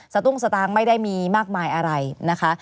ตุ้งสตางค์ไม่ได้มีมากมายอะไรนะคะ